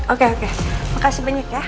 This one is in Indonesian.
oke oke makasih banyak ya